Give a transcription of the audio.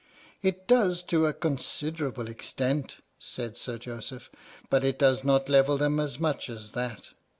" It does to a considerable extent," said Sir Jo seph, " but it does not level them as much as that.